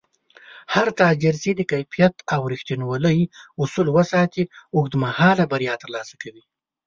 هر تاجر چې د کیفیت او رښتینولۍ اصول وساتي، اوږدمهاله بریا ترلاسه کوي